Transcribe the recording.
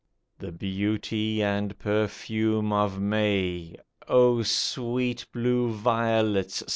The beauty and perfume of May ! O sweet blue violets